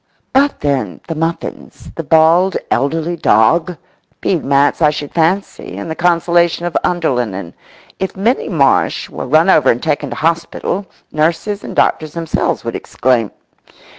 But then—the muffins, the bald elderly dog? Bead mats I should fancy and the consolation of underlinen. If Minnie Marsh were run over and taken to hospital, nurses and doctors themselves would exclaim.